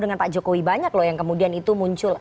dengan pak jokowi banyak loh yang kemudian itu muncul